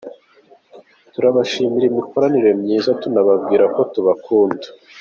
Turabashimira imikoranire myiza, tunababwira ko tubakunda.